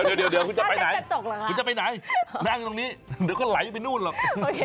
เดี๋ยวคุณจะไปไหนนั่งตรงนี้เดี๋ยวก็ไหลไปนู่นหรอก